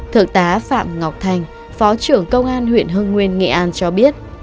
thượng tá phạm ngọc thành phó trưởng công an huyện hưng nguyên nghệ an cho biết